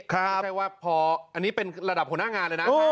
ไม่ใช่ว่าพออันนี้เป็นระดับหัวหน้างานเลยนะ